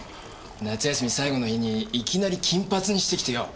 夏休み最後の日にいきなり金髪にしてきてよ。